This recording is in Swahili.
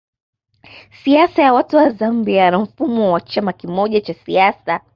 Siasa ya watu wa Zambia na mfumo wa chama kimoja cha siasa